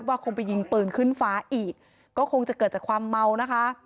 คงไปยิงปืนขึ้นฟ้าอีกก็คงจะเกิดจากความเมานะคะ